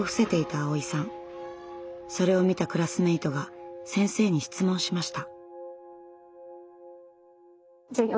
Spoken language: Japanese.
それを見たクラスメートが先生に質問しました。